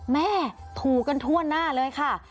แม่ถูกกันทั่วหน้าเลยค่ะ